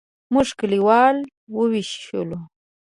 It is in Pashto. موږ کلیوال یې وویشلو.